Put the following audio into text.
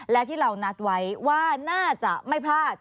และที่เรานัดไว้ว่าน่าจะไม่พลาด